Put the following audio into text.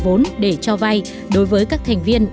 vốn để cho vay đối với các thành viên